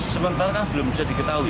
sementara belum bisa diketahui